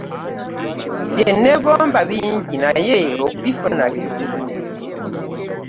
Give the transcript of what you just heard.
Bye nneegomba bingi naye okubifuna kizibu.